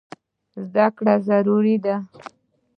زده کړه ضروري ده.